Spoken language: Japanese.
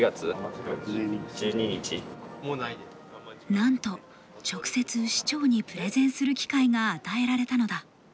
なんと直接、市長にプレゼンする機会が与えられたのだ。